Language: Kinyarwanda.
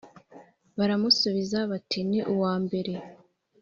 Baramusubiza bati “Ni uwa mbere.”